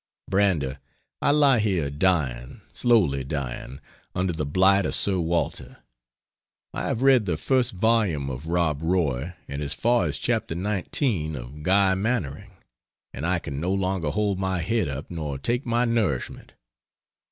Brander, I lie here dying, slowly dying, under the blight of Sir Walter. I have read the first volume of Rob Roy, and as far as chapter XIX of Guy Mannering, and I can no longer hold my head up nor take my nourishment.